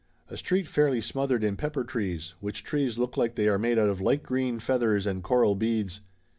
A street fairly smothered in pepper trees, which trees look like they are made out of light green feathers and coral beads.